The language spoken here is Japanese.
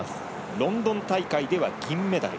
ロンドン大会では銀メダル。